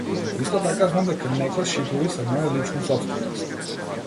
Исто така знам дека некои шипови се моја лична сопственост.